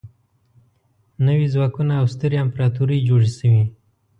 نوي ځواکونه او سترې امپراطورۍ جوړې شوې.